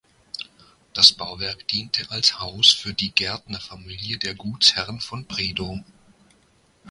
Das Bauwerk diente als Haus für die Gärtnerfamilie der Gutsherren von Bredow.